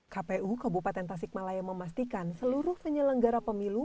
kpu kabupaten tasikmalaya memastikan seluruh penyelenggara pemilu